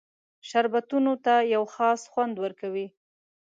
شربتونو ته یو خاص خوند ورکوي.